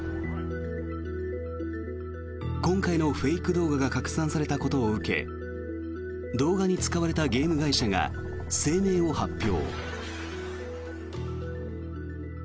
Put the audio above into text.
今回のフェイク動画が拡散されたことを受け動画に使われたゲーム会社が声明を発表。